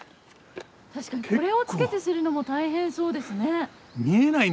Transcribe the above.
確かにこれをつけてするのも大変そうですね。